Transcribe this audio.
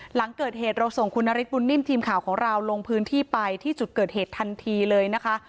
หลังเกิดเหตุเราส่งคุณนฤทธบุญนิ่มทีมข่าวของเราลงพื้นที่ไปที่จุดเกิดเหตุทันทีเลยนะคะ